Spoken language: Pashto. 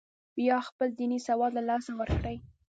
یا خپل دیني سواد له لاسه ورکړي.